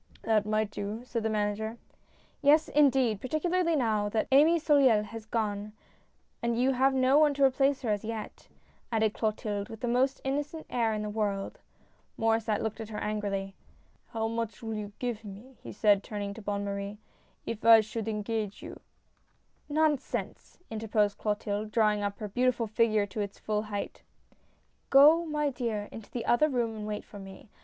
" That might do," said the manager. " Yes, indeed, particularly now that Amy Soleil has gone, and you have no one to replace her as yet," added Clotilde, with the most innocent air in the world. Maurdsset looked at her angrily. " How much will you give me," he said, turning to Bonne Marie, " if I should engage you ?"" Nonsense !" interposed Clotilde, drawing up her beautiful figure to its full height. " Go, my dear, into the other room and wait for me.